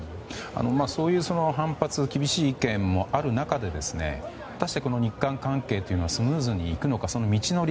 そういう反発厳しい意見もある中で果たして、この日韓関係はスムーズにいくのかその道のり